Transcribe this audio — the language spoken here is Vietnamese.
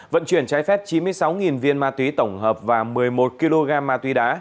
vận chuyển trái phép chín mươi sáu viên ma túy tổng hợp và một mươi một kg ma túy đá